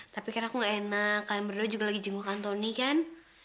tapi karena aku gak enak kalian berdua juga lagi jenguk antoni kan